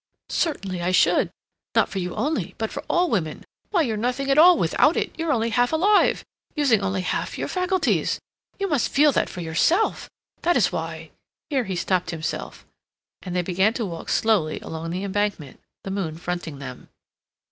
"Certainly I should. Not for you only, but for all women. Why, you're nothing at all without it; you're only half alive; using only half your faculties; you must feel that for yourself. That is why—" Here he stopped himself, and they began to walk slowly along the Embankment, the moon fronting them.